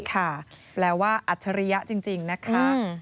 ค่ะแปลว่าอัจฉริยะจริงนะคะ